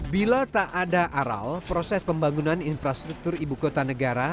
bila tak ada aral proses pembangunan infrastruktur ibu kota negara